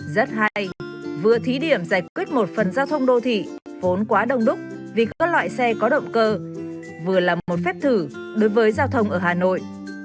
rất hay vừa thí điểm giải quyết một phần giao thông đô thị vốn quá đông đúc vì các loại xe có động cơ vừa là một phép thử đối với giao thông ở hà nội